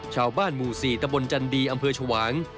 ชาวบ้านหมู่๔ตะบนจันดีอำเภอชวาง